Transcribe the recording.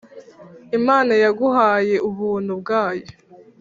imana yaguhaye ubuntu bwayo